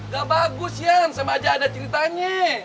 ga bagus ian sama aja ada ceritanya